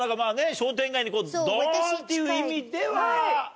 商店街にドンっていう意味では。